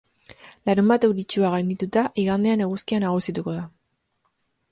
Larunbat euritsua gaindituta, igandean eguzkia nagusituko da.